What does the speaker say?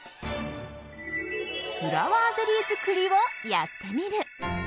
フラワーゼリー作りをやってみる。